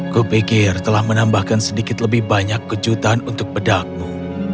kupikir telah menambahkan sedikit lebih banyak kejutan untuk bedakmu